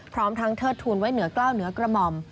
พร้อมทั้งเทิดทูลไว้เหนือกล้าวเหนือกระหม่อม